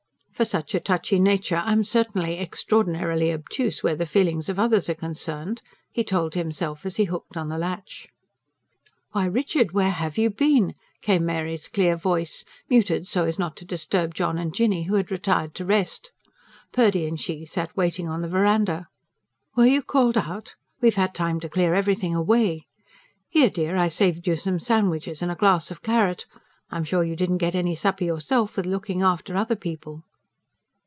"For such a touchy nature I'm certainly extraordinarily obtuse where the feelings of others are concerned," he told himself as he hooked in the latch. "Why, Richard, where HAVE you been?" came Mary's clear voice muted so as not to disturb John and Jinny, who had retired to rest. Purdy and she sat waiting on the verandah. "Were you called out? We've had time to clear everything away. Here, dear, I saved you some sandwiches and a glass of claret. I'm sure you didn't get any supper yourself, with looking after other people."